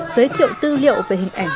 giới thiệu tư liệu về hình ảnh